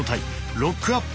ロックアップ。